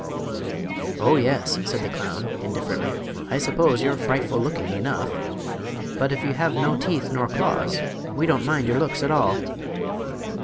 "Oh, yes;" said the clown, indifferently. "I suppose you're frightful looking enough. But if you have no teeth nor claws we don't mind your looks at all."